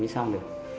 mới xong được